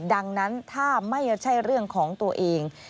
ดังนั้นถ้าไม่ใช่เรื่องของตัวเอง